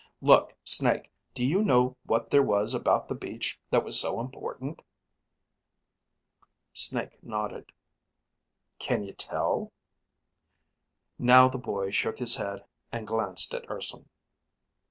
Look, Snake, do you know what there was about the beach that was so important?" Snake nodded. "Can you tell?" Now the boy shook his head and glanced at Urson.